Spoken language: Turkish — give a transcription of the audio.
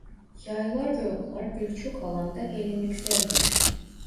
Yaylar ve oklar birçok alanda gelenekseldir.